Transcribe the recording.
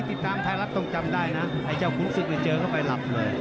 ติดตามไทยรัฐต้องจำได้นะไอ้เจ้าขุนศึกนี่เจอเข้าไปหลับเลย